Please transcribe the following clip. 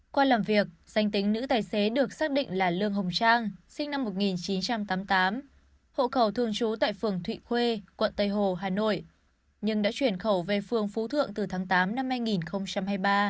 qua làm việc danh tính nữ tài xế được xác định là lương hồng trang sinh năm một nghìn chín trăm tám mươi tám hộ khẩu thường trú tại phường thụy khuê quận tây hồ hà nội nhưng đã chuyển khẩu về phường phú thượng từ tháng tám năm hai nghìn hai mươi ba